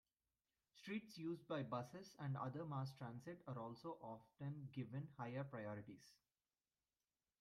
Streets used by buses and other mass transit are also often given higher priorities.